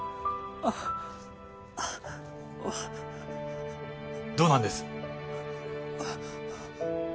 あっあっどうなんです？